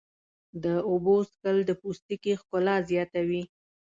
د اوبو څښل د پوستکي ښکلا زیاتوي.